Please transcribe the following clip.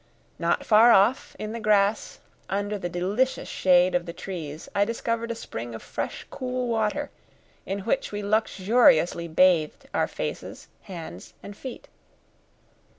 Not far off, in the grass, under the delicious shade of the trees, I discovered a spring of fresh, cool water, in which we luxuriously bathed our faces, hands, and feet.